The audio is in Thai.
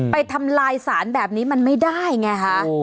ทำลายสารแบบนี้มันไม่ได้ไงคะ